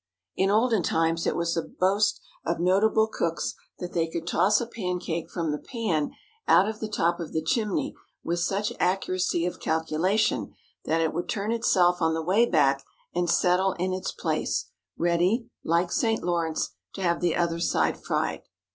In olden times it was a boast of notable cooks that they could toss a pancake from the pan out of the top of the chimney with such accuracy of calculation, that it would turn itself on the way back, and settle in its place, ready, like St. Lawrence, to have the other side fried.